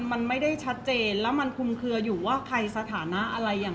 เพราะว่าสิ่งเหล่านี้มันเป็นสิ่งที่ไม่มีพยาน